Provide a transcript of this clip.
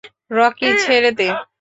Rocky, ছেড়ে দে।